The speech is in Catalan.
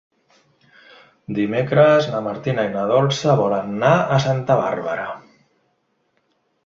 Dimecres na Martina i na Dolça volen anar a Santa Bàrbara.